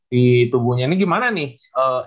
di tubuhnya ini gimana nih